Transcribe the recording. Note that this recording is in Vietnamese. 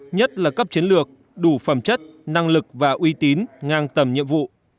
nhất là cấp chiến lược đủ phẩm chất năng lực và uy tín ngang tầm nhiệm vụ